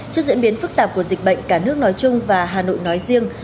trước diễn biến phức tạp của dịch bệnh cả nước nói chung và hà nội nói riêng